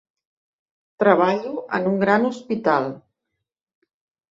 Treballo en un gran hospital.